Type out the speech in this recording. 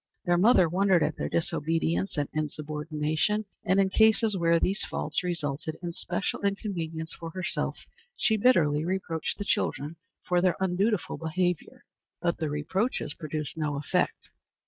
Their mother wondered at their disobedience and insubordination, and in cases where these faults resulted in special inconvenience for herself she bitterly reproached the children for their undutiful behavior. But the reproaches produced no effect.